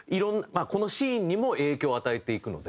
このシーンにも影響を与えていくので。